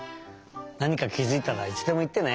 なにかきづいたらいつでもいってね！